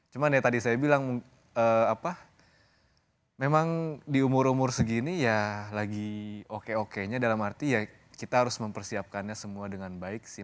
cuman ya tadi saya bilang memang di umur umur segini ya lagi oke okenya dalam arti ya kita harus mempersiapkannya semua dengan baik sih